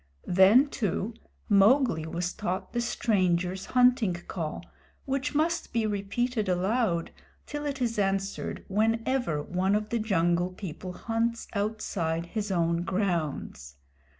Then, too, Mowgli was taught the Strangers' Hunting Call, which must be repeated aloud till it is answered, whenever one of the Jungle People hunts outside his own grounds.